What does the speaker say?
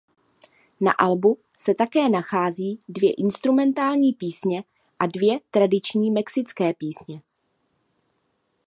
Na albu se také nachází dvě instrumentální písně a dvě tradiční mexické písně.